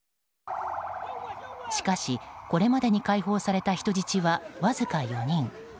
しかし、これまでに解放された人質はわずか４人。